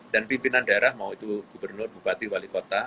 dan pimpinan daerah mau itu gubernur bupati wali kota